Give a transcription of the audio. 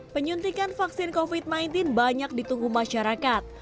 penyuntikan vaksin covid sembilan belas banyak ditunggu masyarakat